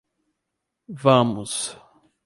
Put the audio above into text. Vamos